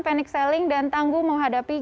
panic selling dan tangguh menghadapi